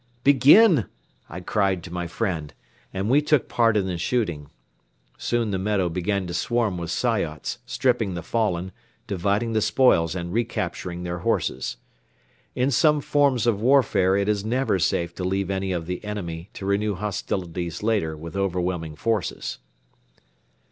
"Begin!" I cried to my friend and we took part in the shooting. Soon the meadow began to swarm with Soyots, stripping the fallen, dividing the spoils and recapturing their horses. In some forms of warfare it is never safe to leave any of the enemy to renew hostilities later with overwhelming forces.